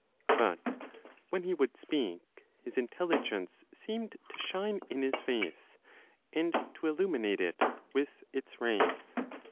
But when he would speak, his intelligence seemed to shine in his face, and to illuminate it with its rays.